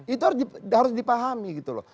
itu harus dipahami gitu loh